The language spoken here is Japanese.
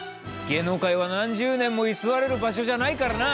芸能界は何十年も居座れる場所じゃないからな。